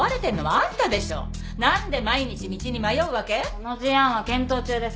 その事案は検討中です。